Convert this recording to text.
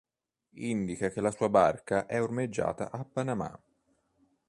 Indica che la sua barca è ormeggiata a Panamá.